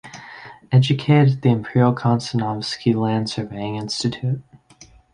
Educated at the Imperial Konstantinovsky land surveying institute.